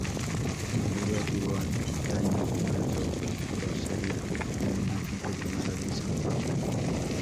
En el lugar, hubo antaño una leprosería, en una finca llamada de Santa Paula.